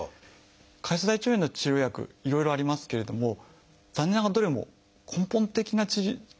潰瘍性大腸炎の治療薬いろいろありますけれども残念ながらどれも根本的な原因を治してるわけじゃない。